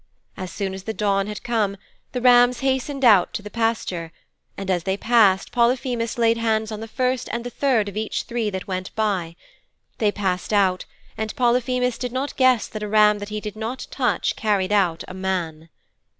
As soon as the dawn had come the rams hastened out to the pasture, and, as they passed, Polyphemus laid hands on the first and the third of each three that went by. They passed out and Polyphemus did not guess that a ram that he did not touch carried out a man.'